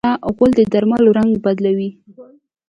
غول د درملو رنګ بدلوي.